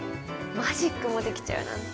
マジックもできちゃうなんて。